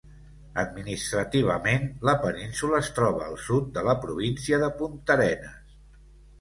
Administrativament, la península es troba al sud de la província de Puntarenas.